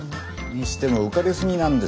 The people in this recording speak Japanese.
にしても浮かれすぎなんですよ